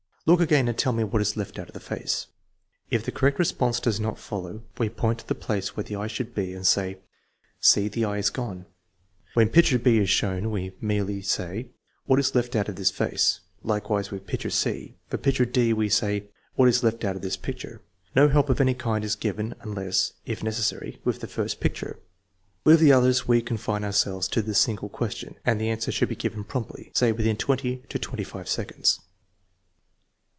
Look again and tell me what is left out of the face." If the correct response does not follow, we point to the place where the eye should be and say: " See, the eye is gone" When picture 6 is shown we say merely: " What is left out of this face ?" Likewise with picture c. For picture d we say: " What is left out of this picture ?" No help of any kind is given TEST NO. VI, 2 179 unless (if necessary) with the first picture. With the others we confine ourselves to the single question, and the answer should be given promptly, say within twenty to twenty five seconds.